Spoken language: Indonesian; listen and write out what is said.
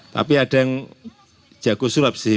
tapi ada yang jago sulap sih